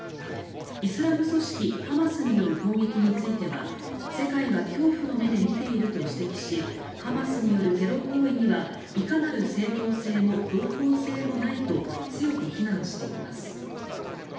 イスラム組織ハマスによる攻撃については世界は恐怖の目で見ていると指摘しハマスによるテロ行為にはいかなる正当性も合法性もないと強く非難しています。